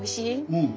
うん。